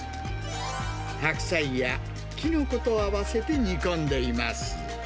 白菜やキノコと合わせて煮込んでいます。